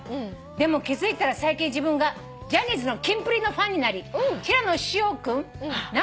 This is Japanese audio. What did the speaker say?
「でも気付いたら最近自分がジャニーズのキンプリのファンになり平野紫耀君永